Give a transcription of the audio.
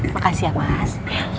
makasih ya mas